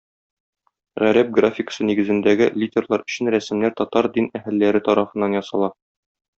Гарәп графикасы нигезендәге литерлар өчен рәсемнәр татар дин әһелләре тарафыннан ясала.